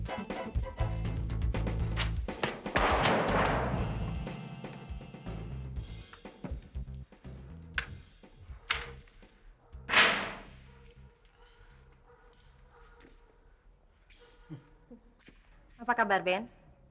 apa kabar ben